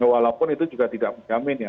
walaupun itu juga tidak menjamin ya